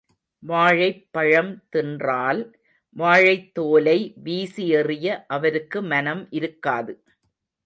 வாழைப்பழம் தின்றால் வாழைத்தோலை வீசி எறிய அவருக்கு மனம் இருக்காது.